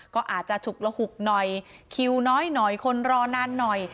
ก็อาจจะฉุกระหุกหน่อยคิวน้อยหน่อยคนรอนานหน่อย